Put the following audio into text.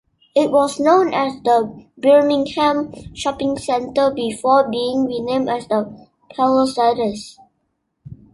It was known as the Birmingham Shopping Centre before being renamed as The Pallasades.